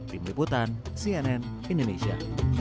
tim liputan cnn indonesia